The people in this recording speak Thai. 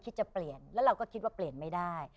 จะเปลี่ยนแล้วเราก็คิดว่าเปลี่ยนไม่ได้